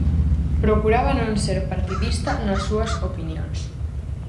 Procuraba non ser partidista nas súas opinións.